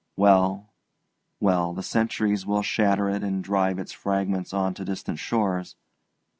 Well, well, the centuries will shatter it and drive its fragments on to distant shores.